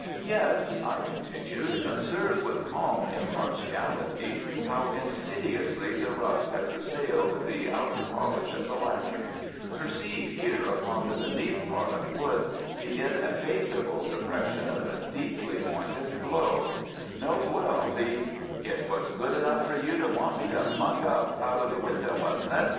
"Yet," I continued, "observe with calm impartiality how insidiously the rust has assailed the outer polish of the lacquer; perceive here upon the beneath part of wood the ineffaceable depression of a deeply pointed blow; note well the " "It was good enough for you to want me to muck up out of the window, wasn't it?"